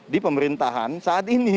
di pemerintahan saat ini